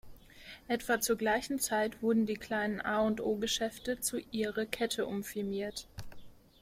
Etwa zur gleichen Zeit wurden die kleinen A&O-Geschäfte zu "Ihre Kette" umfirmiert.